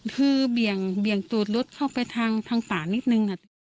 คือเบี่ยงตูดรถเข้าไปทางป่านิดนึง